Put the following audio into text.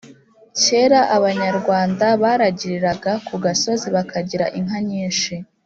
Kera abanyarwanda baragiraga ku gasozi bakagira inka nyinshi